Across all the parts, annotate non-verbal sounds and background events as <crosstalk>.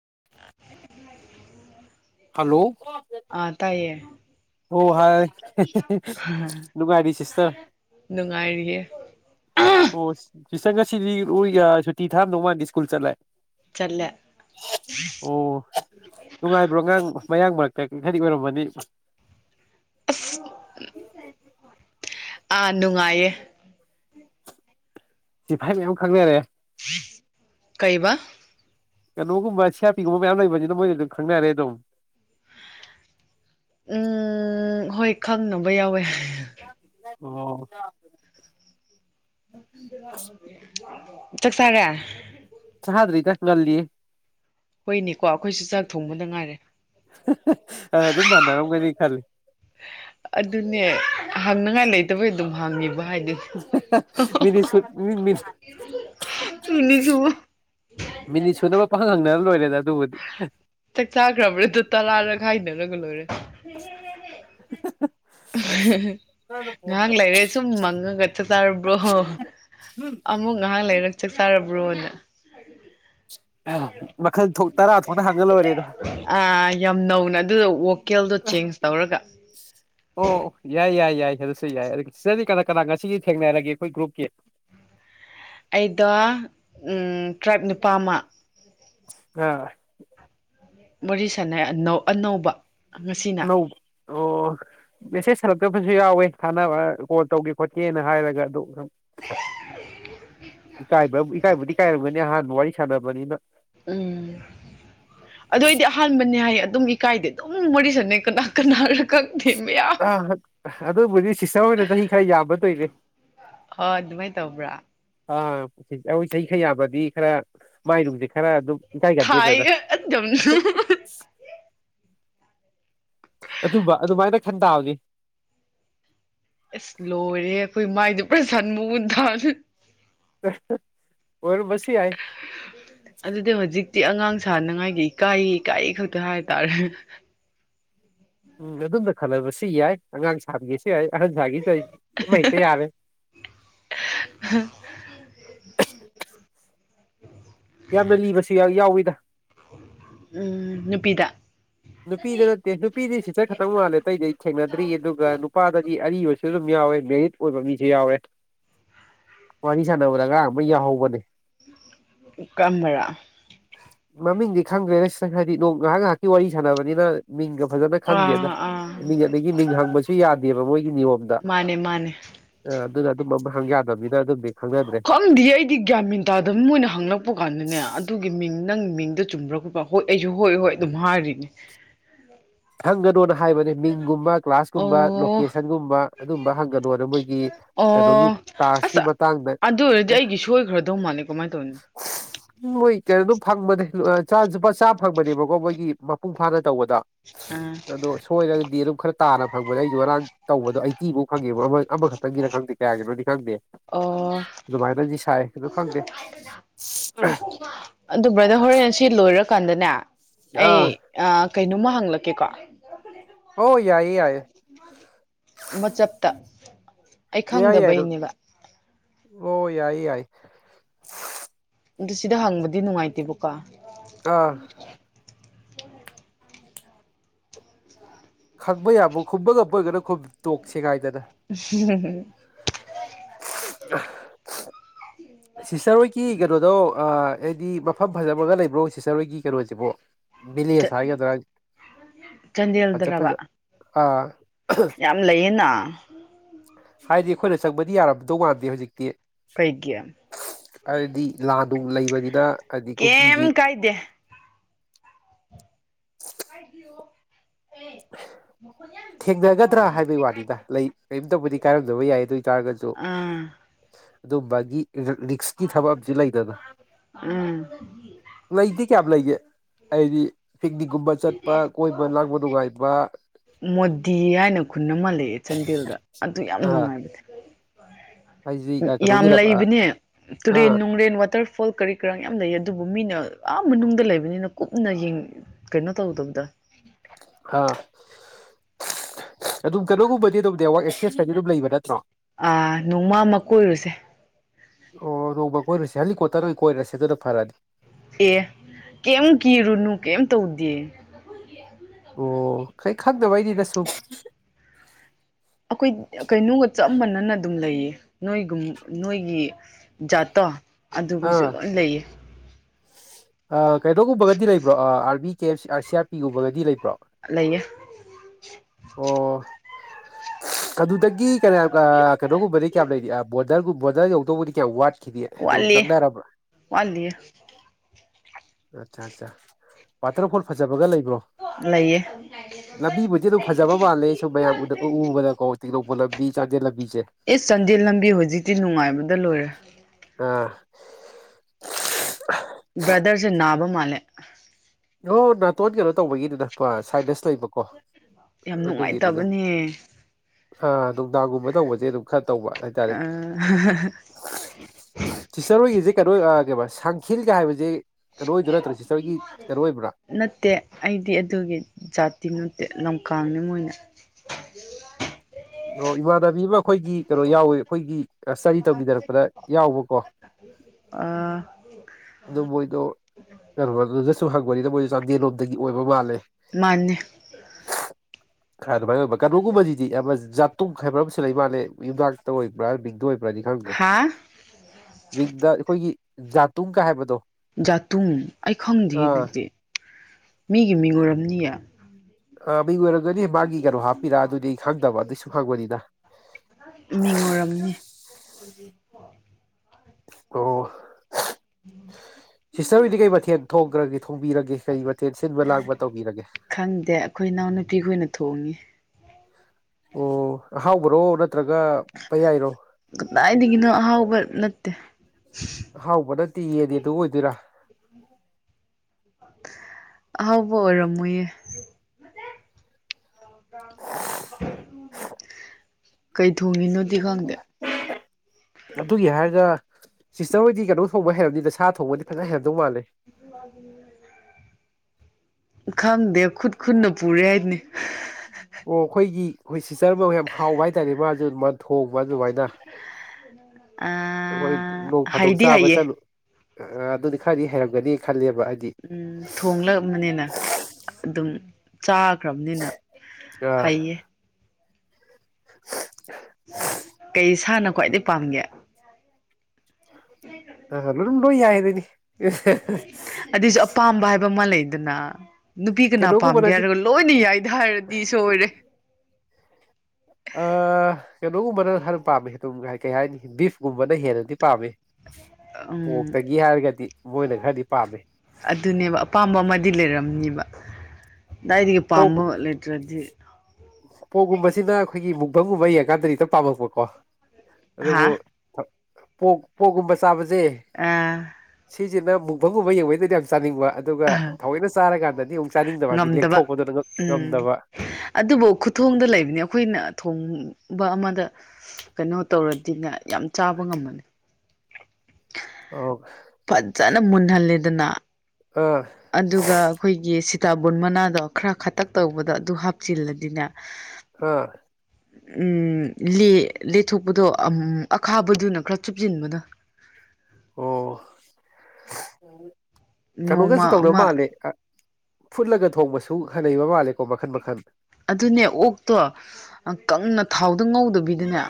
<unintelligible> hello ꯑꯥ ꯇꯥꯏꯌꯦ ꯑꯣ ꯍ ꯅꯨꯡꯉꯥꯏꯔꯤ ꯁꯤꯁꯇꯔ ꯅꯨꯡꯉꯥꯏꯔꯤꯌꯦ ꯑꯣ ꯆꯪ ꯉꯁꯤꯗꯤ ꯎ ꯁꯨꯇꯤ ꯊꯥꯝꯗꯧ ꯃꯥꯟꯗꯗꯤ ꯁ꯭ꯀꯨꯜ ꯆꯠꯂꯦ ꯆꯂ ꯑꯣ ꯅꯨꯡꯉꯥꯏꯕ꯭ꯔꯣ ꯑꯉꯥꯡ ꯃꯌꯥꯡ ꯃꯔꯛꯇ ꯈꯗꯤ ꯑꯣꯏꯔꯝꯃꯅꯤ <unintelligible> ꯑꯥ ꯅꯨꯡꯉꯥꯏꯌꯦ ꯁꯤꯐꯥꯏ ꯃꯌꯥꯝ ꯈꯪꯅꯔꯦ ꯀꯩꯕ ꯀꯩꯅꯣꯒꯨꯝꯕ ꯁꯤꯌꯥꯄꯤꯤꯒꯨꯝꯕ ꯃꯌꯥꯝ ꯂꯩꯕꯅꯤꯅ ꯃꯣꯏꯗꯤ ꯑꯗꯨꯝ ꯈꯪꯅꯔꯦ ꯑꯗꯨꯝ ꯎꯝ ꯍꯣꯏ ꯈꯪꯅꯕ ꯌꯥꯎꯋꯦ ꯑ ꯑꯣ ꯃ ꯆꯥꯛꯆꯥꯥꯒ ꯭ꯔꯤ ꯆꯁꯒꯜꯂꯤ ꯍꯣꯏꯅꯤꯀꯣ ꯑꯩꯈꯣꯏꯁꯨ ꯆ ꯊꯣꯡꯕꯗ ꯉꯥꯏꯔꯦ ꯑꯗꯨꯝ ꯃꯥꯟꯅꯔꯝꯒꯅꯤ ꯈꯜꯂꯤ ꯑꯗꯨꯅꯦ ꯍꯪꯅꯤꯉꯥꯏ ꯂꯩꯇꯕꯩ ꯑꯗꯨꯝ ꯍꯥꯡꯉꯤꯕ ꯃꯤꯅꯤꯠ ꯃꯤꯠ ꯅꯣꯛꯅꯤꯡꯉꯤꯕꯣ ꯃꯤꯅꯤꯠ ꯁꯨꯅꯕ ꯄꯈꯪ ꯍꯪꯅꯅꯕ ꯑꯣꯏ ꯂꯩ ꯆꯥꯛ ꯆꯥꯈ꯭ꯔꯕ꯭ꯔꯥ ꯑꯗꯨ ꯇꯔꯥꯔꯒ ꯍꯥꯏꯅꯔꯒ ꯂꯣꯏꯔꯦ ꯉꯥꯏꯍꯥꯛ ꯂꯩꯔꯦ ꯁꯨꯝ ꯃꯪꯉꯒ ꯆꯠ ꯆꯥꯔꯕ꯭ꯔꯣ ꯑꯃꯨꯛ ꯉꯥꯏꯍꯥꯛ ꯂꯩꯔꯛ ꯆꯥꯛ ꯆꯥꯔꯕ꯭ꯔꯣꯅ ꯑ ꯃꯈꯈꯜ ꯊ ꯑꯥ ꯌꯥꯝ ꯅꯧꯅ ꯑꯗꯨꯗꯣ ꯋꯣꯀꯦꯜꯗꯣ ꯆꯦꯟꯖ ꯇꯧꯔꯒ ꯑꯣ ꯌꯥꯏ ꯌꯥꯏ ꯌꯥꯏ ꯍꯥꯏꯁꯨ ꯌꯥꯏ ꯑꯗꯨ ꯁꯤꯔꯤ ꯀꯅꯥ ꯀꯅꯥ ꯉꯁꯤꯒꯤ ꯊꯦꯡꯅꯔꯒꯦ ꯑꯩꯈꯣꯏ ꯒ꯭ꯔꯨꯞꯀꯤ ꯑꯩꯗ ꯇ꯭ꯔꯥꯏꯞ ꯅꯨꯅꯤꯄꯥ ꯑꯃ ꯑꯥ ꯃꯔꯤ ꯁꯥꯟꯅꯩꯅꯧ ꯑꯅꯧꯕ ꯉꯁꯤꯅ ꯑꯅꯧ ꯑꯣ ꯃꯦꯁꯦꯖ ꯍꯜꯂꯛꯇꯕ ꯐꯁꯨ ꯌꯥꯎꯋꯦ ꯁꯥꯟꯅꯕ ꯀꯣꯜ ꯇꯧꯒꯦ ꯈꯣꯠꯀꯦꯅ ꯍꯥꯏꯔꯒ ꯑꯗꯨ ꯏꯀꯥꯏꯕ ꯏꯀꯥꯏꯕꯗꯤ ꯀꯥꯏꯔꯝꯒꯅꯤ ꯑꯍꯥꯟꯕ ꯋꯥꯔꯤ ꯁꯗꯕꯅꯤꯅ ꯎꯝ ꯑꯗꯨ ꯑꯣꯏꯗꯤ ꯑꯍꯥꯟꯕꯅꯦ ꯍꯥꯏꯌꯦ ꯑꯗꯨꯝ ꯏꯀꯥꯏꯗꯤ ꯑꯗꯨꯝ ꯃꯔꯤꯁꯠꯅꯦ ꯀꯅꯥ ꯀꯅꯥ ꯑꯥ ꯑꯗꯨꯕꯨꯗꯤ ꯁꯤꯁꯝ ꯑꯣꯏꯅ ꯆꯍꯤ ꯈꯔ ꯌꯥꯝꯕ ꯇꯣꯏꯔꯦ ꯍꯣꯏ ꯑꯗꯨꯃꯥꯏꯅ ꯇꯧꯕ꯭ꯔꯥ ꯑꯥ ꯑꯩꯈꯣꯏ ꯆꯍꯤ ꯈ ꯌꯥꯕꯗꯤ ꯈꯔ ꯃꯥꯏꯔꯨꯝꯖ ꯈꯔ ꯑꯗꯨꯝ ꯏ ꯀꯥꯏ ꯈꯗ ꯑꯗꯨꯗ ꯊꯥꯏꯒ ꯑꯗꯨꯝ ꯑꯗꯨ ꯑꯗꯨꯃꯥꯏꯅ ꯈꯟ ꯇꯕꯅꯤ ꯑꯁ ꯂꯣꯏꯔꯦ ꯑꯩꯈꯣꯏ ꯃꯥꯏꯗ ꯄꯨꯔꯥ ꯁꯟ ꯃꯕꯨꯨꯟ ꯊꯥ <unintelligible> ꯑꯣꯏꯔ ꯁ ꯍ ꯌꯥꯏ ꯗꯤ ꯑꯉꯥꯡ ꯁꯅꯉꯥꯏꯒꯤ ꯀꯥꯏ ꯀꯥꯏ ꯈꯛꯇ ꯍꯥꯏꯇꯥꯔꯦ ꯎꯝ ꯑꯗꯨꯝꯗ ꯈꯜꯂꯕꯕꯁꯤ ꯌꯥꯏ ꯑꯉꯥꯡ ꯁꯥꯒꯦꯁꯨ ꯌꯥꯏ ꯑꯖꯒꯤ ꯆꯏ ꯃ ꯀ ꯌꯥꯝꯅ ꯂꯤꯁꯨ ꯌꯥꯎꯋꯤꯗ ꯎꯝ ꯅꯨꯄꯤꯗ ꯅꯨꯄꯤꯗ ꯅꯠꯇꯦ ꯅꯨꯄꯤꯗꯤ ꯁꯤꯆꯔ ꯈꯛꯇꯪ ꯃꯥꯜꯂꯦ ꯑꯇꯩꯗꯤ ꯊꯦꯡꯅꯗ꯭ꯔꯤ ꯑꯗꯨꯒ ꯅꯨꯄꯥꯗꯗꯤ ꯑꯔꯤꯕꯁꯨ ꯑꯗꯨꯝ ꯌꯥꯎꯋꯦ ꯃꯦꯔꯤꯠ ꯑꯣꯏꯕ ꯃꯤꯁꯨ ꯌꯥꯎꯋꯦ ꯋꯥꯔꯤ ꯁꯅꯕꯗ ꯑꯉꯥꯡ ꯑꯃ ꯌꯥꯎꯍꯧꯕꯅꯦ ꯀꯔꯝꯕꯔꯥ ꯃꯃꯤꯡꯗꯤ ꯈꯪꯗ꯭ꯔꯦ ꯅ ꯁꯤꯇꯪ ꯍꯥꯏꯗꯤ ꯅꯣꯡ ꯉꯥꯏꯍꯥꯛ ꯉꯥꯏꯍꯥꯛꯀꯤ ꯋꯥꯔꯤ ꯅꯕꯅꯤ ꯅ ꯃꯤ ꯐꯖꯅ ꯈꯪꯗꯦ ꯑꯗ ꯑꯥ ꯑꯥ ꯃꯤꯡ ꯑꯗꯒꯤ ꯃꯤꯡ ꯍꯪꯕꯁꯨ ꯌꯥꯗꯦꯕ ꯃꯣꯏꯒꯤ ꯅꯤꯌꯣꯝꯗ ꯃꯥꯅꯦ ꯃꯥꯅꯦ ꯑꯗꯨꯅ ꯑꯗꯨꯝ ꯑꯃ ꯍꯪ ꯌꯥꯗꯕꯅꯤꯅ ꯑꯗꯨꯝꯗꯤ ꯈꯪꯅꯗ꯭ꯔꯦ ꯈꯪꯗꯤ ꯑꯩꯗꯤ ꯒ꯭ꯌꯥꯃꯤꯟꯇꯥꯥꯗ ꯑꯣꯏꯅ ꯍꯪꯂꯛꯄ ꯀꯥꯟꯗꯅꯦ ꯑꯗꯨꯒꯤ ꯃꯤꯡ ꯅꯪ ꯃꯤꯡꯗꯣ ꯆꯨꯝꯕ꯭ꯔꯒꯕ ꯍꯣꯏ ꯑꯩꯁꯨ ꯍꯣꯏ ꯍꯣꯏ ꯑꯗꯨꯝ ꯍꯥꯏꯔꯤꯅꯦ ꯇꯣ ꯍꯥꯏꯕꯅꯦ ꯃꯤꯡꯒꯨꯝꯕ ꯀ꯭ꯂꯥꯁꯀꯨꯝꯕ ꯑꯣ ꯂꯣꯀꯦꯁꯟꯒꯨꯝꯕ ꯑꯗꯨꯝꯕ ꯍꯪꯒꯅꯣꯅ ꯃꯣꯏꯒꯤ ꯀꯩꯅꯣꯒꯤ ꯑꯣ ꯇꯥꯛꯁꯀꯤ ꯑꯁ ꯃꯇꯥꯡꯗ ꯑꯗꯨ ꯑꯣꯏꯔꯗꯤ ꯑꯩꯒꯤ ꯁꯣꯏꯈ꯭ꯔꯗꯧ ꯃꯥꯜꯂꯦ ꯀꯃꯥꯏꯅ ꯇꯧꯅꯤ ꯃꯣꯏ ꯀꯩꯅꯣꯝ ꯐꯪꯕꯅꯦ ꯂꯨꯄꯥ ꯆꯥꯝꯃ ꯐꯪꯕꯅꯦꯕꯀꯣ ꯃꯣꯏꯒꯤ ꯃꯄꯨꯡ ꯐꯥꯅ ꯇꯧꯕꯗ ꯑꯥ ꯑꯗꯣ ꯁꯣꯏꯔꯒꯗꯤ ꯑꯗꯨꯝ ꯈꯔ ꯇꯥꯅ ꯐꯪꯕꯅꯦ ꯑꯩꯁꯨꯣ ꯉꯔꯥꯡ ꯇꯧꯕꯗꯣ ꯑꯩ ꯇꯤꯐꯥꯎ ꯈꯪꯉꯦꯕ ꯑꯃꯈꯛꯇꯪꯒꯤꯅ ꯈꯪꯗꯦ ꯀꯌꯥꯒꯤꯅꯣꯗꯤ ꯈꯪꯗꯦ ꯑꯣ ꯑꯗꯨꯃꯥꯏꯅꯗꯤ ꯁꯥꯏ ꯑꯣ ꯈꯪꯗꯦ ꯑꯗꯨ ꯕ꯭ꯔꯗꯔ ꯍꯣꯔꯦꯟ ꯁꯤ ꯂꯣꯏꯔꯀꯥꯟꯗꯅꯦ ꯑꯩ ꯑꯥ ꯑ ꯀꯩꯅꯣꯝꯃ ꯍꯪꯂꯛꯀꯦꯀꯣ ꯍ ꯌꯥꯏꯌꯦ ꯌꯥꯏ ꯃꯆꯞꯇ ꯑꯩ ꯏꯌꯥ ꯌꯥꯏꯔꯣ ꯈꯪꯗꯕꯩꯅꯦꯕ ꯑꯣ ꯌꯥꯏ ꯌꯥꯏ ꯑꯗꯨ ꯁꯤꯗ ꯍꯪꯕꯗꯤ ꯅꯨꯡꯉꯥꯏꯇꯦꯕꯀꯣ ꯑꯥ ꯍ ꯈꯪꯕ ꯌꯥꯕ ꯈꯨꯝꯕ ꯉꯝꯕ ꯑꯣꯏꯒꯅ ꯇꯣꯛ ꯁꯦ ꯍꯥꯏꯥꯏꯗꯅ <unintelligible> ꯑ ꯁꯤꯁꯇꯔ ꯍꯣꯏꯒꯤ ꯀꯩꯅꯣꯗꯣ ꯍꯥꯏꯗꯤ ꯃꯝ ꯐꯖꯕꯒ ꯂꯩꯕ꯭ꯔꯣ ꯁꯤꯆꯔꯣꯏꯒꯤ ꯀꯩꯅꯣꯁꯤꯕꯣ ꯚꯤꯂꯦꯖ ꯆ ꯍꯥꯏꯒꯗ꯭ꯔꯥ ꯐꯖ ꯆꯟꯗꯦꯜꯗ꯭ꯔꯕ ꯐꯖ ꯑꯥ ꯌꯥꯝ ꯂꯩꯌꯦꯅꯥ ꯍꯥꯏꯗꯤ ꯑꯩꯈꯣꯏꯅ ꯆꯪꯕꯗꯤ ꯌꯥꯔꯝꯗꯧ ꯃꯥꯟꯗꯦ ꯍꯧꯖꯤꯛꯇꯤ ꯀꯩꯒꯤ ꯑꯗꯨꯗꯤ ꯂꯥꯛ ꯑꯗꯨ ꯂꯩꯕꯗꯨꯗ ꯀꯦꯝ ꯀꯥꯏꯗꯦ ꯍꯥꯏꯕꯤꯣ ꯊꯦꯡꯅꯒꯗ꯭ꯔꯥ ꯍꯥꯏꯕꯒꯤ ꯋꯥꯅꯤꯅ ꯂꯩ ꯀꯔꯤꯝꯇꯧꯕꯗꯤ ꯀꯥꯏꯔꯝꯗꯕ ꯌꯥꯏ ꯑꯗꯨ ꯑꯣꯏ ꯇꯔꯒꯁꯨ ꯑꯥ ꯑꯗꯨ ꯒꯤ ꯔꯤꯛꯁꯀꯤ ꯊꯕꯛ ꯑꯝ ꯂꯩꯗꯅ ꯎꯝ ꯂꯩꯗꯤ ꯀꯌꯥꯝ ꯂꯩꯒꯦ ꯑꯩꯗꯤ ꯄꯤꯛ ꯒꯨꯝꯕ ꯆꯠꯄ ꯀꯣꯏꯕ ꯂꯥꯛꯄ ꯅꯨꯡꯉꯥꯏꯕ ꯑ ꯃꯣꯗꯤ ꯍꯥꯏꯅ ꯈꯨꯟ ꯑꯃ ꯂꯩꯌꯦ ꯆꯥꯟꯗꯦꯜꯗ ꯑꯗꯨ ꯌꯥꯝ ꯑꯥ ꯅꯨꯡꯉꯥꯏꯕꯅꯦ ꯍꯥꯏꯁꯤ ꯌꯥꯝ ꯀꯩꯅꯣꯒꯤꯔꯕ ꯂꯩꯕꯅꯦ ꯇꯨꯔꯦꯟ ꯑꯥ ꯅꯨꯡꯔꯦꯟ ꯋꯥꯇꯔꯐꯣꯜ ꯀꯔꯤ ꯀꯔꯥ ꯌꯥꯝ ꯂꯩ ꯑꯗꯨꯕꯨ ꯃꯤꯅ ꯌꯥꯝ ꯃꯅꯨꯡꯗ ꯂꯩꯕꯅꯤꯅ ꯀꯨꯞꯅ ꯀꯩꯅꯣ ꯇꯧꯗꯕꯗ ꯑ ꯑꯗꯨꯝ ꯀꯩꯅꯣꯒꯨꯝꯕꯗꯤ ꯑꯗꯨꯝ ꯗꯋꯥꯛ ꯑꯦꯛꯁꯦꯁꯇꯗꯤ ꯑꯗꯨꯝ ꯂꯩꯕ ꯅꯠꯇ꯭ꯔꯣ ꯑꯥ ꯅꯣꯡꯃ ꯃ ꯀꯣꯏꯔꯨꯁꯦ ꯑꯣ ꯔꯨꯕ ꯀꯣꯏꯔꯨꯁꯦ ꯍꯂꯤꯛꯀꯣꯠꯇ ꯅꯣꯏ ꯀꯣꯏꯔꯁꯦ ꯑꯗꯨꯗ ꯐꯔꯅꯤ <unintelligible> ꯑꯦ ꯀꯦꯝꯝ ꯀꯤꯔꯨꯅꯨ ꯀꯩꯝ ꯇꯧꯗꯦ ꯑꯣ ꯈꯩ ꯈꯪꯗꯕꯩꯗꯤꯅꯁꯨ ꯑꯩꯈꯣꯏ ꯀꯩꯅꯣꯒ ꯆꯞꯝꯕꯅꯅ ꯑꯗꯨꯝ ꯂꯩꯌꯦ ꯅꯣꯏꯒꯨꯝ ꯅꯣꯏꯒꯤ ꯖꯥꯠꯇꯣ ꯑꯗꯨꯕꯨꯒꯤꯁꯨ ꯂꯣꯏ ꯂꯩꯌꯦ ꯑ ꯀꯩꯅꯣꯒꯨꯝꯕꯒꯗꯤ ꯂꯩꯕ꯭ꯔꯣ ꯑꯥꯔꯕꯤ ꯀꯦꯞ ꯑꯥꯔ ꯁꯤ ꯑꯥꯔ ꯄꯤꯒꯨꯝꯕꯒꯗꯤ ꯂꯩꯕꯣ ꯂꯩꯌꯦ ꯑꯣ ꯑꯗꯨꯗꯒꯤ ꯀꯩꯅ ꯀꯩꯅꯣꯒꯨꯝꯕꯗꯤ ꯀꯌꯥꯝ ꯂꯩꯔꯤ ꯕꯣꯗꯔꯒꯨꯝꯕ ꯕꯣꯔꯗꯔ ꯌꯧꯗꯧꯕꯗꯤ ꯀꯌꯥꯝ ꯋꯥꯠꯂꯤꯦ ꯋꯥꯂꯤꯦ ꯋꯥꯂꯤꯦ ꯑꯠꯆꯥ ꯑꯠꯆꯥ ꯋꯥꯇꯔꯐꯣꯜ ꯐꯖꯕꯒ ꯂꯩꯕ ꯂꯩꯌꯦ ꯂꯝꯕꯤꯕꯨꯗꯤ ꯑꯗꯨꯝ ꯐꯖꯕ ꯃꯥꯜꯂꯦ ꯁꯨꯝ ꯃꯌꯥꯝ ꯎꯕꯗꯀꯣ ꯇꯦꯡꯅꯧꯄ ꯂꯝꯕꯤ ꯆꯥꯟꯗꯦꯜ ꯂꯝꯕꯤꯁꯦ ꯏꯁ ꯆꯥꯟꯗꯦꯜ ꯂꯝꯕꯤ ꯍꯧꯖꯤꯛꯇꯤ ꯅꯨꯡꯉꯥꯏꯕꯗ ꯂꯣꯏꯔꯦ ꯑꯥ ꯕꯗꯔꯁꯦ ꯅꯥꯕ ꯃꯥ ꯍꯂꯦꯛ ꯑꯣ ꯅ ꯇꯧ ꯦꯂꯣ ꯇꯧꯕꯒꯤꯗꯨꯅ ꯁꯥꯏꯗꯁ ꯂꯩꯕꯀꯣ ꯌꯥꯝ ꯑꯗꯨꯒꯤꯗꯨꯗ ꯅꯨꯡꯉꯥꯏꯇꯕꯅꯦ ꯑ ꯅꯨꯡꯗꯥꯡꯒꯨꯝꯕ ꯇꯧꯕꯁꯦ ꯑꯗꯨꯝ ꯈꯠ ꯇꯧꯕ ꯍꯥꯏꯇꯥꯔꯦ ꯁꯤꯇꯔ ꯍꯣꯏꯒꯤꯁꯦ ꯀꯩꯅꯣ ꯁꯪꯈꯤꯜꯒ ꯍꯥꯏꯕꯕꯁꯤ ꯀꯩꯅꯣ ꯑꯣꯏꯗ ꯅꯠꯇ꯭ꯔ ꯁꯤ ꯅꯠꯇꯦ ꯑꯩꯗꯤ ꯑꯗꯨꯒꯤ ꯖꯥꯇꯤ ꯂꯝꯀꯥꯡꯅꯤ ꯃꯣꯏꯅ ꯑꯣ ꯏꯃꯥꯟꯅꯕꯤ ꯑꯃ ꯑꯩꯈꯣꯏꯒꯤ ꯀꯩꯅꯣ ꯌꯥꯎꯋ ꯑꯩꯈꯣꯏꯒꯤ ꯏꯁꯇꯗꯤ ꯇꯧꯃꯤꯟꯅꯔꯛꯄꯗ ꯌꯥꯎꯕꯀꯣ ꯑ ꯑꯗꯨ ꯃꯣꯏꯗꯣ ꯀꯩꯅꯣꯗꯁꯨ ꯍꯪꯒꯅꯤꯗ ꯃꯣꯏꯗ ꯆꯥꯟꯗꯦꯜ ꯂꯣꯝꯗꯒꯤ ꯑꯣꯏꯕ ꯃꯥꯜꯂꯦ ꯃꯥꯅꯦ ꯈꯔ ꯑꯗꯨꯃꯥꯏꯅ ꯑꯣꯏꯕ ꯀꯩꯅꯣꯒꯨꯝꯕꯁꯤꯗꯤ ꯖꯥꯇꯨꯝ ꯈꯥꯏꯕ꯭ꯔ ꯑꯃꯁꯨ ꯂꯩ ꯃꯥꯜꯦ ꯌꯨꯝꯅꯥꯛꯇꯇ ꯑꯣꯏꯕ꯭ꯔꯥ ꯃꯤꯡꯗ ꯑꯣꯏꯕ꯭ꯔꯥ ꯗꯤ ꯈꯪꯗꯦ ꯍꯥ ꯋꯤꯛꯇ ꯑꯩꯈꯣꯏꯒꯤ ꯖꯥꯇꯨꯡꯒ ꯍꯥꯏꯕꯗꯣ ꯖꯥꯇꯨꯡ ꯑꯩ ꯈꯪꯗꯦ ꯑꯥ ꯑꯗꯨꯗꯤ ꯃꯤꯒꯤ ꯃꯤꯉꯣꯟꯝꯅꯤ ꯌꯥꯏ ꯑꯥꯒ ꯑꯗꯨꯗꯤ ꯃꯥꯒꯤ ꯀꯩꯅꯣ ꯍꯥꯞꯄꯤꯔ ꯑꯗꯨꯗꯤ ꯑꯩ ꯈꯪꯗꯕ ꯑꯗꯨꯏꯁꯨ ꯍꯪꯕꯅꯤꯅ ꯃꯤꯡ ꯑꯣꯏꯔꯝꯅꯤ <unintelligible> ꯑꯣ ꯁꯤꯁꯇꯔꯍꯣꯏꯗꯤ ꯀꯔꯤ ꯃꯊꯦꯜ ꯊꯣꯡꯒ꯭ꯔꯒꯦ ꯊꯣꯡꯕꯤꯔꯒꯦ ꯀꯔꯤ ꯃꯊꯦꯜ ꯁꯤꯟꯕ ꯂꯥꯡꯕ ꯇꯧꯕꯤꯔꯒꯦ ꯇꯤ ꯑꯩꯈꯣꯏꯅ ꯊꯣꯡꯉꯤ ꯑꯣ ꯍꯥꯎꯕ꯭ꯔꯣ ꯅꯠ ꯀꯗꯥꯏꯗꯒꯤꯅꯣ ꯑꯍꯥꯎꯕ ꯅꯠ ꯇꯍ ꯑꯍꯥꯎꯕ ꯅꯠꯇꯦꯌꯦ ꯌꯦꯟꯅꯦꯗꯣ ꯑꯣꯏꯗꯣꯏꯔꯥ ꯎ ꯑꯍꯥꯎꯕ ꯑꯣꯏꯔꯝꯃꯣꯏꯌꯦ ꯑꯟꯏꯟꯇꯦꯜꯂꯤꯖꯦꯕꯜ ꯀꯩ ꯊꯣꯡꯉꯤꯅꯣꯗꯤ ꯈꯪꯗꯦ ꯑꯗꯨꯒꯤ ꯍꯥꯏꯔꯒ ꯁꯤꯁꯇꯔ ꯍꯣꯏꯗꯤ ꯀꯩꯅꯣ ꯊꯣꯡꯕ ꯍꯩꯔꯝꯅꯤꯗ ꯁꯥ ꯊꯣꯡꯕꯗꯤ ꯐꯖꯅ ꯍꯩꯔꯝꯗꯧ ꯃꯥꯜꯂꯤ ꯈꯪꯗꯦ ꯈꯨꯠ ꯈꯨꯠꯅ ꯄꯨꯔꯦ ꯍꯥꯏꯗꯨꯅꯤ ꯑꯣ ꯑꯩꯈꯣꯏꯒꯤ ꯑꯩꯈꯣꯏ ꯁꯤꯇꯔ ꯃ ꯌꯥꯝ ꯍꯥꯎꯕ ꯍꯥꯏꯇꯥꯔꯦ ꯃꯥꯁꯨ ꯃꯥ ꯊꯣꯡꯕ ꯑꯗꯨꯃꯥꯏꯅ ꯑꯩꯈꯣꯏ ꯅꯣꯡ ꯐꯥꯗꯣꯛ ꯍꯩꯗꯤ ꯆꯥꯕ ꯍꯩꯌꯦ ꯆꯠꯂꯨ ꯑ ꯑꯗꯨꯗꯤ ꯈꯔꯗꯤ ꯍꯩꯏꯔꯝꯒꯅꯤ ꯎꯝ ꯊꯣꯡꯂꯛꯑꯕꯅꯤꯅ ꯑꯗꯨꯝ ꯆꯥꯈ꯭ꯔꯝꯅꯤꯅ ꯍꯩꯌꯦ ꯑꯟꯑꯣꯗꯤꯕꯜ ꯀꯩ ꯁꯥꯅ ꯈ꯭ꯋꯥꯏꯗꯩ ꯄꯥꯝꯒꯦ ꯈ ꯈ ꯑꯗꯨꯝ ꯂꯣꯏ ꯌꯥꯏꯌꯥꯗ ꯑꯩꯗꯤ ꯑꯗꯨꯅ ꯅꯨꯄꯤ ꯀꯅꯥ ꯄꯥꯝꯒꯦ ꯍꯥꯏꯔꯒ ꯂꯣꯏꯅ ꯌꯥꯏꯗ ꯍꯥꯏꯔꯗꯤ ꯁꯣꯏꯔꯦ ꯑ ꯀꯩꯅꯣꯒꯨꯝꯕꯅ ꯈꯔ ꯄꯥꯝꯃꯦ ꯑꯗꯨꯝ ꯀꯩ ꯍꯥꯏꯅꯤ ꯕꯤꯐꯀꯨꯝꯕꯅ ꯍꯦꯟꯅꯗꯤ ꯄꯥꯝꯃꯤ ꯎꯝ ꯄꯣꯛꯇꯒꯤ ꯍꯥꯏꯔꯒꯗꯤ ꯃꯣꯏꯅ ꯈꯔꯗꯤ ꯄꯥꯝꯃꯤ ꯑꯗꯨꯅꯦꯕ ꯑꯄꯥꯝꯕ ꯑꯃꯗꯤ ꯂꯩꯔꯝꯅꯤꯕ ꯗꯥꯏꯗꯒꯤ ꯄꯥꯝꯕ ꯑꯃ ꯂꯩꯇ꯭ꯔꯗꯤ ꯄꯣꯛꯀꯨꯝꯕꯁꯤꯅ ꯑꯩꯈꯣꯏꯒꯤ ꯃꯨꯡꯕꯝꯒꯨꯝꯕ ꯌꯦꯡꯉꯀꯥꯟꯗꯗꯤ ꯍꯦꯛꯇ ꯄꯥꯝꯃꯛꯄꯀꯣ ꯍꯥ ꯑꯗꯨꯕꯨ ꯊ ꯄꯣꯛ ꯄꯣꯛꯀꯨꯝꯕ ꯆꯥꯕꯁ ꯁꯦ ꯁꯤꯁꯤꯅ ꯃꯨꯛꯕꯝ ꯒꯨꯕ ꯌꯦꯡꯕꯩꯗ ꯆꯅꯤꯡ ꯑꯗꯨꯒ ꯊꯑꯣꯏꯅ ꯆꯥꯔꯀꯥꯟꯗꯗꯤ ꯑꯃꯨꯛ ꯆꯥꯅꯤꯡꯗꯕ ꯍꯥꯏꯗꯤ ꯉꯝꯗꯕ ꯂꯦꯛꯊꯣꯛꯄꯗꯨꯅ ꯎꯝ ꯉꯝꯗꯕ ꯑꯗꯨꯕꯨ ꯈꯨꯊꯣꯡꯗ ꯂꯩꯕꯅꯤ ꯑꯩꯈꯣꯏꯅ ꯊꯣꯡꯕ ꯑꯃꯗ ꯀꯩꯅꯣ ꯇꯧꯔꯗꯤꯅ ꯌꯥꯝ ꯆꯥꯕ ꯉꯝꯃꯅꯤ ꯑꯣ ꯄꯖꯖꯅ ꯃꯟꯅꯍꯜ ꯑꯗꯨꯅ ꯑꯥ ꯑꯗꯨꯒ ꯑꯩꯈꯣꯏꯒꯤ ꯆꯥꯕꯨꯟ ꯃꯅꯥꯗꯣ ꯈꯔ ꯈꯇꯛ ꯇꯧꯕꯗꯣ ꯑꯗꯨ ꯍꯥꯞꯆꯤꯜꯂꯗꯤꯅꯦ ꯑꯥ ꯎꯝ ꯂꯦꯊꯣꯛꯄꯗꯣ ꯑꯈꯥꯕꯗꯨꯅ ꯈꯔ ꯆꯨꯞꯁꯤꯟꯕꯗ ꯑꯣ ꯎꯝ ꯀꯩꯅꯣꯒꯁꯨ ꯅꯣꯡꯃ ꯇꯧꯗꯅꯕ ꯑꯃ ꯃꯥꯜꯂꯦ ꯐꯨꯠꯂꯒ ꯊꯣꯡꯕꯁꯨ ꯍꯟꯅꯩꯕ ꯃꯥꯜꯂꯦꯀꯣ ꯃꯈꯟ ꯃꯈꯟ ꯑꯗꯨꯅꯦ ꯑꯣꯛꯇꯣ ꯀꯪꯅ ꯊꯥꯎ ꯑꯗꯨ ꯉꯧꯗꯕꯤꯗꯅꯦ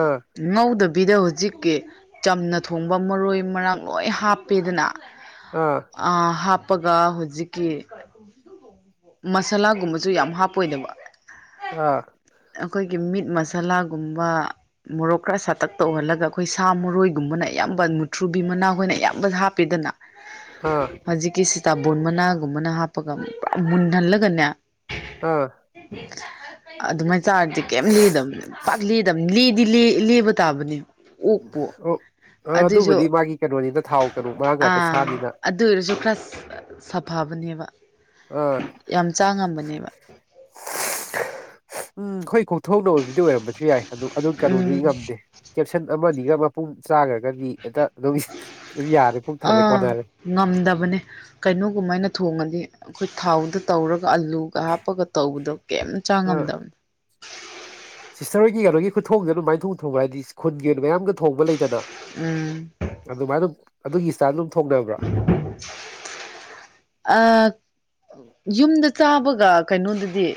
ꯑꯥ ꯉꯧꯗꯕꯤꯗ ꯍꯧꯖꯤꯛ ꯀꯦ ꯆꯝꯅ ꯊꯣꯡꯕ ꯃꯔꯣꯏ ꯃꯔꯥꯡ ꯂꯣꯏ ꯍꯥꯞꯄꯦꯗꯅ ꯑꯥ ꯑ ꯍꯥꯞ ꯍꯥꯞꯄꯒ ꯍꯧꯖꯤꯛꯀꯤ ꯃꯁꯥꯂꯥꯒꯨꯝꯕꯁꯨ ꯌꯥꯝ ꯍꯥꯞ ꯄꯣꯏꯅꯃꯛ ꯑꯥ ꯑꯩꯈꯣꯏꯒꯤ ꯃꯤꯠ ꯃꯁꯥꯂꯥꯒꯨꯝꯕ ꯃꯣꯔꯣꯛ ꯈꯔ ꯁꯥꯇꯛꯇ ꯎꯍꯜꯂꯒ ꯑꯩꯈꯣꯏ ꯁꯥ ꯃꯔꯣꯏꯒꯨꯝꯕꯅ ꯑꯌꯥꯝꯕ ꯃꯨꯊ꯭ꯔꯨꯕꯤ ꯃꯅꯥꯈꯣꯏꯅ ꯑꯌꯥꯝꯕ ꯍꯥꯞꯄꯤꯗꯅ ꯑꯥ ꯍꯧꯖꯤꯀꯤ ꯁꯤ ꯇꯥꯕꯣꯟ ꯃꯅꯥꯒꯨꯝꯕꯅ ꯍꯥꯞꯄꯒ ꯄꯨꯔꯥ ꯃꯨꯟꯍꯜꯂꯒꯅꯦ ꯑꯥ ꯑꯗꯨꯃꯥꯏ ꯆꯥꯔꯗꯤ ꯀꯩꯝ ꯂꯤꯗꯕꯅꯤ ꯄꯥꯛ ꯂꯤ ꯂꯤ ꯗꯤ ꯂ ꯂꯦꯕ ꯇꯥꯕꯅꯤ ꯑꯣ ꯑ ꯑꯗꯨꯕꯨꯗꯤ ꯃꯥꯒꯤ ꯀꯩꯅꯣꯅꯤꯅ ꯊꯥꯎ ꯀꯩꯅꯣ ꯃꯔꯥꯡ ꯀꯥꯏ ꯄꯦ ꯑꯥ ꯁꯥꯥꯅꯤꯅ ꯊꯕꯅꯦꯕ ꯌꯥꯝ ꯆꯥꯡꯉꯝꯕꯅꯦꯕ <inaudible> ꯎꯝ ꯍꯣꯏ ꯀꯣ ꯊꯣꯛꯅ ꯑꯣꯏꯕꯗꯤ ꯑꯣꯏꯔꯝꯕꯁꯨ ꯌꯥꯏ ꯑꯗꯨ ꯑꯗꯨ ꯀꯩꯅꯣꯗꯨꯗꯤ ꯎꯝ ꯉꯝꯗꯦ ꯀꯦꯞꯁꯟ ꯑꯃꯒ ꯃꯄꯨꯡ ꯆꯥꯈ꯭ꯔꯒꯗꯤ ꯍꯦꯛꯇ ꯑꯗꯨꯝ ꯑꯗꯨꯝ ꯌꯥꯔꯦ ꯄꯨꯛ ꯊꯜꯂꯦ ꯑꯥ ꯀꯣꯟꯅꯔꯦ ꯉꯝꯗꯕꯅꯦ ꯀꯩꯅꯣꯒꯃꯥꯏꯅ ꯊꯣꯡꯉꯗꯤ ꯑꯩꯈꯣꯏ ꯊꯥꯎꯗ ꯇꯧꯔꯒ ꯑꯗꯨꯒ ꯑꯥꯂꯨꯒ ꯍꯥꯞꯄꯒ ꯇꯧꯕꯗꯣ ꯀꯩꯝ ꯆꯥꯡꯉꯝꯗꯕꯅꯦ ꯁꯤꯁꯇꯔ ꯍꯣꯏꯒꯤ ꯀꯩꯅꯣꯒꯤ ꯈꯨꯊꯣꯡꯗ ꯑꯗꯨꯃꯥꯏꯅ ꯊꯣꯡ ꯊꯣꯡꯕ ꯍꯥꯏꯗꯤ ꯈꯨꯟꯒꯤ ꯑꯣꯏꯅ ꯃꯌꯥꯝꯒ ꯐꯧꯕ ꯂꯩꯇꯅ ꯎꯝ ꯑꯗꯨꯃꯥꯏ ꯑꯗꯨꯝ ꯑꯗꯨꯒꯤꯇꯥ ꯑꯗꯨꯝ ꯊꯣꯛꯕ꯭ꯔꯥ ꯌꯨꯝꯗ ꯆꯥꯕꯒ ꯀꯩꯅꯣꯗꯗꯤ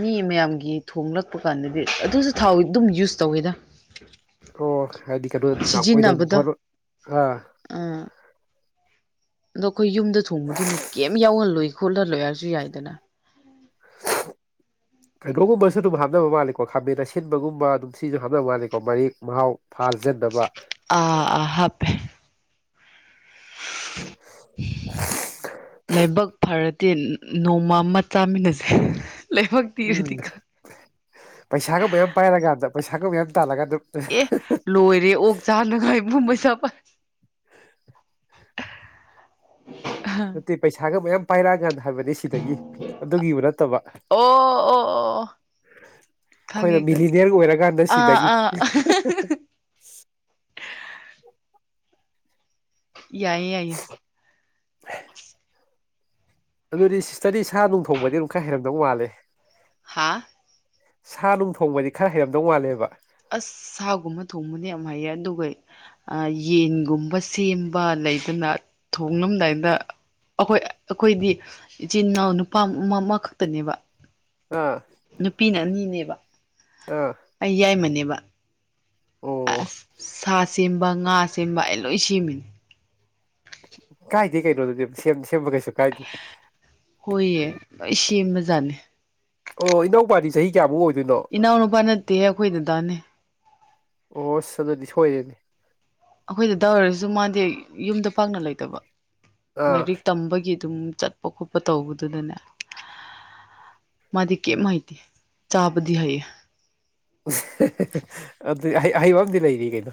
ꯃꯤ ꯃꯌꯥꯝꯒꯤ ꯊꯣꯡꯂꯛꯄ ꯀꯥꯟꯗꯗꯤ ꯑꯗꯨꯁꯨ ꯊꯥꯎ ꯑꯗꯨꯝ ꯌꯨꯁ ꯇꯧꯋꯦꯗ ꯑꯣ ꯍꯥꯏꯗꯤ ꯀꯩꯅꯣ ꯑ ꯑꯥ ꯑꯗꯣ ꯑꯩꯈꯣꯏ ꯌꯨꯝꯗ ꯊꯣꯡꯕꯗꯨꯅ ꯀꯩꯝ ꯌꯥꯎꯍꯜꯂꯣꯏ ꯈꯣꯠꯂꯍꯜꯂꯣꯏ ꯍꯥꯏꯔꯁꯨ ꯌꯥꯏꯗꯅ ꯀꯩꯅꯣꯒꯨꯝꯕꯁꯨ ꯑꯗꯨꯝ ꯍꯥꯞꯅꯕ ꯃꯥꯜꯂꯦꯀꯣ ꯈꯥꯃꯦꯟ ꯑꯁꯤꯟꯕꯒꯨꯝꯕ ꯑꯗꯨꯝ ꯁꯤꯁꯨ ꯍꯥꯞꯅꯕ ꯃꯥꯂꯦꯀꯣ ꯃꯔꯦꯛ ꯃꯍꯥꯎ ꯐꯥꯖꯟꯅꯕ ꯑ ꯑ ꯍꯥꯄꯦ ꯂꯩꯕꯥꯛ ꯐꯔꯗꯤ ꯅꯣꯡꯃ ꯑꯃ ꯆꯥꯃꯤꯟꯅꯁꯦ ꯂꯥꯏꯕꯛ ꯎꯝ ꯊꯤꯔꯗꯤ ꯄꯩꯁꯥꯒ ꯃ ꯑꯃ ꯄꯥꯏꯔꯀꯥꯟꯗ ꯄꯩꯁꯥ ꯊ ꯑꯦ ꯂꯂꯒ ꯑꯦ ꯂꯣꯏꯔꯦ ꯑꯣꯛ ꯆꯥꯅꯉꯥꯏꯕꯨꯝꯩꯁ ꯆꯣꯄ ꯅꯠꯇꯦ ꯄꯩꯁꯥꯒ ꯃꯌꯥꯝ ꯄꯔꯒꯗ ꯍꯥꯏꯕꯅꯤ ꯁꯤꯗꯒꯤ ꯑꯗꯨꯒꯤꯕꯨ ꯅꯠꯇꯕ ꯑꯣ ꯑꯣ ꯑꯣ ꯑꯩꯈꯣꯏꯅ ꯈꯪꯉꯦ ꯈꯪꯉꯦ ꯃꯤꯂꯤꯅꯤꯌꯔ ꯑꯣꯏꯔꯀꯥꯟꯗ ꯑꯥ ꯁꯤꯗꯒꯤ ꯑꯥ ꯌꯥꯏꯌꯦꯦ ꯌꯥꯏꯌꯦ ꯑꯗꯨꯗꯤ ꯁꯤꯁꯇꯔꯗꯤ ꯁꯥ ꯅꯨꯡꯊꯣꯡꯕꯗꯤ ꯑꯃꯝ ꯈꯔ ꯍꯩꯔꯝꯗꯧ ꯃꯥꯜꯂꯦ ꯍꯥꯥ ꯁꯥ ꯅꯨꯡ ꯊꯣꯡꯕꯗꯤ ꯈꯔ ꯍꯩꯔꯝꯗꯧ ꯃꯥꯜꯂꯦꯕ ꯑꯁ ꯁꯥꯒꯨꯝꯕ ꯊꯣꯡꯕꯅꯦ ꯌꯥꯝ ꯍꯥꯏꯌꯦ ꯑꯗꯨꯒ ꯌꯦꯟꯒꯨꯝꯕ ꯁꯦꯝꯕ ꯂꯩꯗꯅ ꯊꯣꯡꯡꯂꯝꯗꯥꯏꯗ ꯑꯩꯈꯣꯏ ꯑꯩꯈꯣꯏꯗꯤ ꯏꯆꯤꯟ ꯏꯅꯥꯎ ꯅꯨꯄꯥ ꯑꯃꯈꯛꯇꯅꯦꯕ ꯑꯥ ꯅꯨꯄꯤꯅ ꯑꯅꯤꯅꯦꯕ ꯑꯥ ꯑꯩ ꯌꯥꯏꯃꯅꯦꯕ ꯑ ꯑꯣ ꯁꯥꯠ ꯑ ꯁꯦꯝꯕ ꯉꯥ ꯑ ꯁꯦꯝꯕ ꯑꯩ ꯂꯣꯏ ꯁꯦꯝꯃꯤꯅꯤ ꯍꯥꯏꯗꯤ ꯀꯩꯅꯣꯗꯨꯗꯤ ꯑꯗꯨ ꯁꯦꯝ ꯁꯦꯝꯕ ꯀꯩꯁꯨ ꯀꯥꯏꯗꯦ ꯍꯣꯏꯌꯦ ꯏ ꯃꯖꯥꯅꯦ ꯑꯣ ꯏꯅꯧ ꯄꯥꯗꯤ ꯆꯍꯤ ꯀꯌꯥꯃꯨꯛ ꯑꯣꯏꯦ ꯏꯅꯥꯎ ꯅꯨꯄꯥ ꯅꯠꯇꯦꯍꯦ ꯑꯩꯈꯣꯏꯗ ꯇꯅꯦ ꯑꯣꯁ ꯑꯗꯨꯗꯤ ꯁꯣꯏꯔꯦꯅꯦ ꯑꯩꯈꯣꯏꯗ ꯇꯧꯔꯔꯁꯨ ꯃꯥꯗꯤ ꯌꯨꯝꯗ ꯄꯥꯛꯅ ꯂꯩꯇꯕ ꯑꯥ ꯂꯥꯏꯔꯤꯛ ꯇꯝꯕꯒꯤ ꯑꯗꯨꯝ ꯆꯠꯄ ꯈꯣꯠꯄ ꯇꯧꯕꯗꯨꯗꯅꯦ ꯃꯥꯗꯤ ꯀꯩꯝ ꯍꯥꯏꯇꯦ ꯆꯥꯕꯗꯤ ꯍꯩꯌꯦ ꯑ ꯍꯩꯕ ꯑ ꯑꯃꯗꯤꯗꯤ ꯂꯩꯔꯤ ꯀꯩꯅꯣ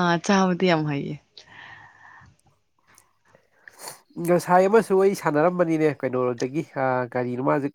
ꯑꯥ ꯆꯥꯕꯗꯤ ꯌꯥꯝ ꯍꯥꯏꯌꯦ ꯉꯁꯥꯏ ꯑꯃꯁꯨ ꯑꯩ ꯁꯥꯟꯅꯔꯝꯕꯅꯤꯅꯦ ꯀꯩꯅꯣꯣꯔꯣꯝꯗꯒꯤ ꯒꯥꯔꯤ ꯃꯥꯁꯦ